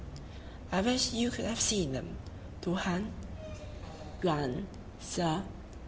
I wish you could have seen them, Touhan [Tüan, Sir].